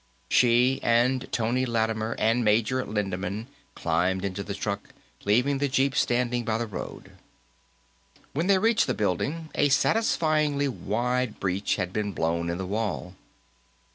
She and Tony Lattimer and Major Lindemann climbed onto the truck, leaving the jeep stand by the road. When they reached the building, a satisfyingly wide breach had been blown in the wall.